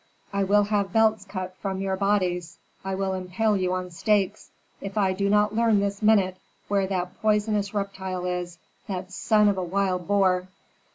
"I will have belts cut from your bodies! I will impale you on stakes, if I do not learn this minute where that poisonous reptile is, that son of a wild boar."